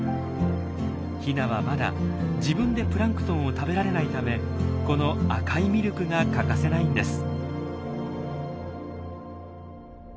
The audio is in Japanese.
ヒナはまだ自分でプランクトンを食べられないためこの赤いミルクが欠かせないんです。